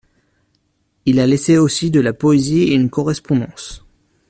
Il a laissé aussi de la poésie et une correspondance.